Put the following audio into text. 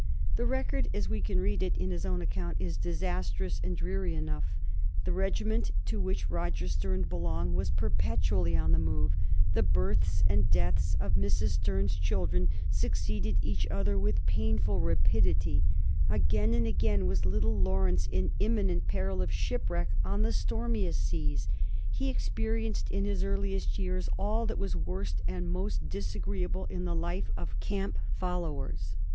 The record, as we can read it in his own account, is disastrous and dreary enough. The regiment to which Roger Sterne belonged was per petually on the move ; the births and deaths of Mrs. Sterne's children succeeded each other with painful ra pidity; again and again was little Laurence in imminent peril of shipwreck on the stormiest seas ; he experienced in his earliest years all that was worst and most disagree able in the life of camp followers.